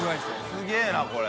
すげぇなこれ。